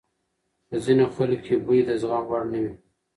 په ځینو خلکو کې بوی د زغم وړ نه وي.